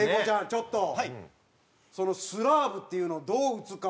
ちょっとそのスラーブっていうのをどう打つか。